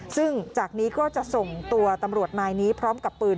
ซึ่งจากนี้ก็จะส่งตัวตำรวจนายนี้พร้อมกับปืน